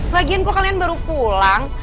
lagian kok kalian baru pulang